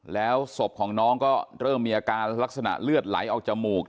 แล้วศพของน้องก็เริ่มมีอาการลักษณะเลือดไหลออกจมูก